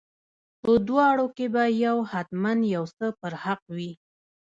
په دواړو کې به یو حتما یو څه پر حق وي.